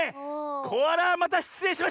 コアラまたしつれいしました！